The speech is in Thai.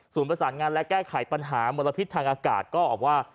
ประสานงานและแก้ไขปัญหามลพิษทางอากาศก็ออกว่า